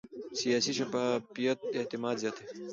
سیاسي شفافیت اعتماد زیاتوي